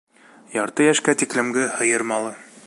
Ярты йәшкә тиклемге һыйыр малы.